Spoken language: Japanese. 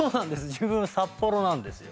自分札幌なんですよ。